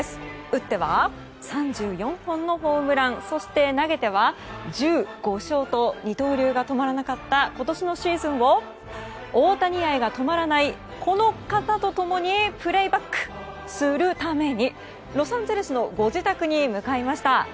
打っては３４本のホームランそして、投げては１５勝と二刀流が止まらなかった今年のシーズンを大谷愛が止まらないこの方と共にプレイバックするためにロサンゼルスのご自宅に向かいました。